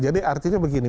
jadi artinya begini